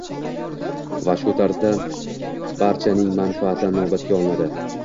va shu tarzda barchaning manfaati inobatga olinadi.